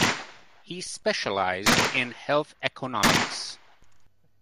He specialized in health economics.